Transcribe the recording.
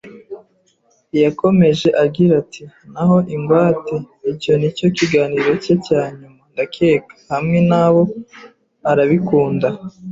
Yakomeje agira ati: "Naho ingwate, icyo ni cyo kiganiro cye cya nyuma, ndakeka, hamwe nabo arabikunda